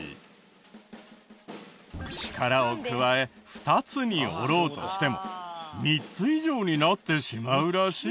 力を加え２つに折ろうとしても３つ以上になってしまうらしい。